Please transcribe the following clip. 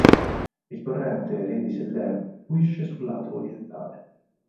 Il torrente Re di Sellero fluisce sul lato orientale.